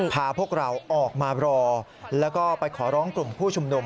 พาพวกเราออกมารอแล้วก็ไปขอร้องกลุ่มผู้ชุมนุม